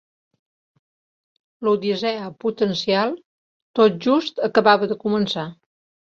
L'odissea potencial tot just acabava de començar.